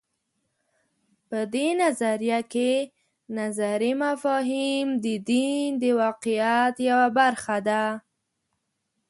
په دې نظریه کې نظري مفاهیم د دین د واقعیت یوه برخه ده.